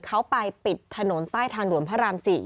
เขาไปปิดถนนใต้ทางด่วนพระราม๔